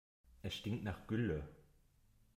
Es stinkt nach Gülle.